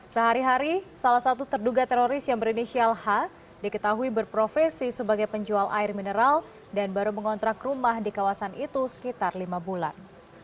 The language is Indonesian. sehari hari salah satu terduga teroris yang berinisial h diketahui berprofesi sebagai penjual air mineral dan baru mengontrak rumah di kawasan itu sekitar lima bulan